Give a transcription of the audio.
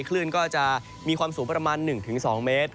คลื่นก็จะมีความสูงประมาณ๑๒เมตร